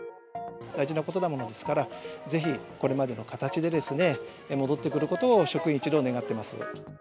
大事なことなものですから、ぜひこれまでの形でですね、戻ってくることを職員一同願ってます。